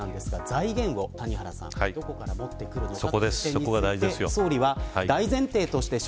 財源をどこから持ってくるのか。